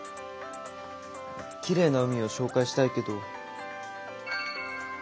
きれいな海を紹介したいけど。